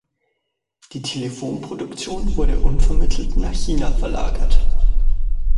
Die Telefonproduktion wurde unvermittelt nach China verlagert.